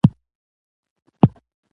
له بلبله څخه هېر سول پروازونه